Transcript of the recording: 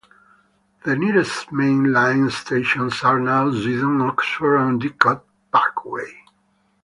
The nearest main line stations are now Swindon, Oxford and Didcot Parkway.